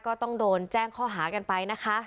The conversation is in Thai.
ก็ต้องโดนแจ้งข้อหากันไปนะคะ